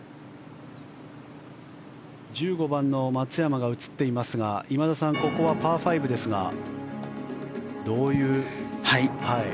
１５番の松山が映っていますが今田さん、ここはパー５ですがどういう。